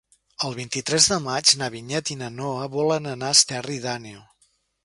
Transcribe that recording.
El vint-i-tres de maig na Vinyet i na Noa volen anar a Esterri d'Àneu.